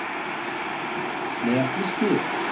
Ne yapmış ki?